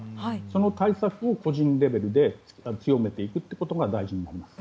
その対策を個人レベルで強めていくことが大事になります。